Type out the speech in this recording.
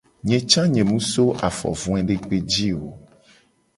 Nye ca nye mu so afo voedekpe ji o.